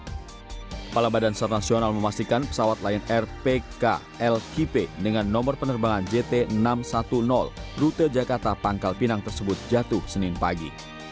kepala badan sar nasional memastikan pesawat lion air pklkp dengan nomor penerbangan jt enam ratus sepuluh rute jakarta pangkal pinang tersebut jatuh senin pagi